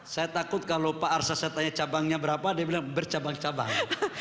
saya takut kalau pak arsa saya tanya cabangnya berapa dia bilang bercabang cabang